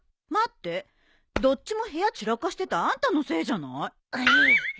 待ってどっちも部屋散らかしてたあんたのせいじゃない？